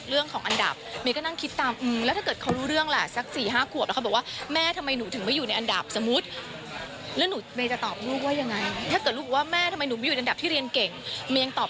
เมย์จะได้ไม่ต้องคิดอะไรที่ล้ำขึ้นไปแล้วก็เป็นเด็กธรรมชาติคนนึง